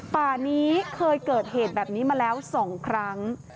ป่านี้เคยเกิดเหตุแบบนี้มาแล้ว๒ครั้ง